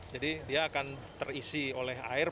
jadi dia akan terisi oleh air